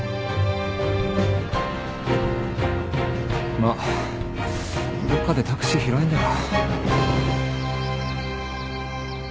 まっどっかでタクシー拾えんだろ。